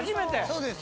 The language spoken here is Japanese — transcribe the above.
そうです